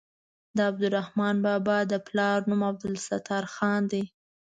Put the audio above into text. د عبدالرحمان بابا د پلار نوم عبدالستار خان دی.